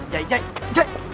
jai jai jai